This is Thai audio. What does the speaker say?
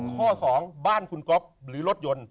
ข้อ๒บ้านคุณก๊อฟหรือรถยนต์